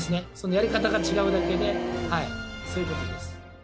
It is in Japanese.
やり方が違うだけでそういうことです。